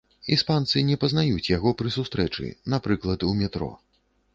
Іспанцы не пазнаюць яго пры сустрэчы, напрыклад, у метро.